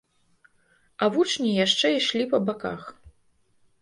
А вучні яшчэ ішлі па баках.